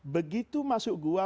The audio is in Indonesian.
begitu masuk gua